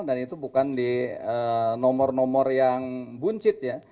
dan itu bukan di nomor nomor yang buncit ya